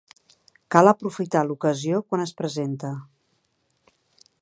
Cal aprofitar l'ocasió quan es presenta